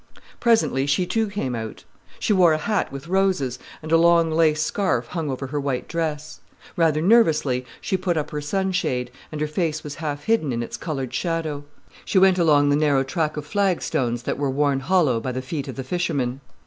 Presently she too came out. She wore a hat with roses, and a long lace scarf hung over her white dress. Rather nervously, she put up her sunshade, and her face was half hidden in its coloured shadow. She went along the narrow track of flag stones that were worn hollow by the feet of the fishermen.